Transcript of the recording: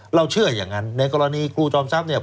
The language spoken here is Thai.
เราเชื่ออย่างนั้นในกรณีครูจอมทรัพย์